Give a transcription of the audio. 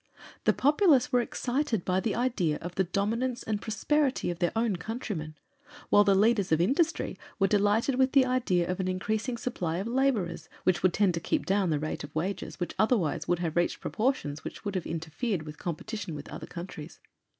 The populace were excited by the idea of the dominance and prosperity of their own countrymen, while the leaders of industry were delighted with the idea of an increasing supply of laborers which would tend to keep down the rate of wages which otherwise would have reached proportions which would have interfered with competition with other countries.